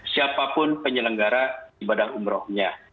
siapapun penyelenggara ibadah umrohnya